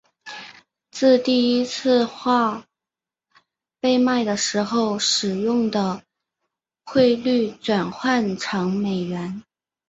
自第一次画被卖的时候使用的汇率转换成美元。